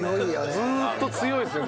ずっと強いですよね